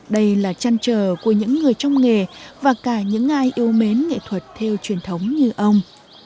đây là trăn trở của những người trong nghề và cả những ai yêu mến nghệ thuật theo truyền thống như ông